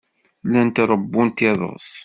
Llant ṛewwunt iḍes.